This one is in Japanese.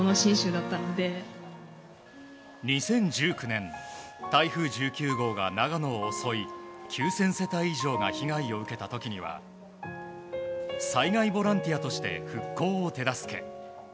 ２０１９年、台風１９号が長野を襲い９０００世帯以上が被害を受けた時には災害ボランティアとして復興を手助け。